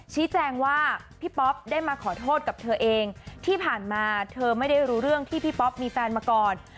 ชี้แจงว่าพี่ป๊อปได้มาขอโทษกับเธอเองที่ผ่านมาเธอไม่ได้รู้เรื่องที่พี่ป๊อปมีแฟนมาก่อน